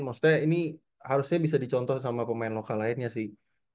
maksudnya ini harusnya bisa dicontoh sama pemain lokal lainnya sih